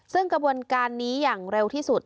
ซึ่งกระบวนการนี้อย่างเร็วที่สุด